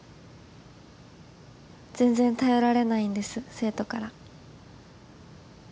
全然頼られないんです生徒から。